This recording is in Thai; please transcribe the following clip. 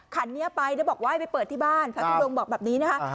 คันนี้ไปแล้วบอกว่าให้ไปเปิดที่บ้านพระทุดงบอกแบบนี้นะคะ